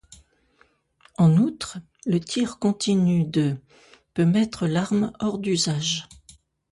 En outre, le tir continu de peut mettre l'arme hors d'usage.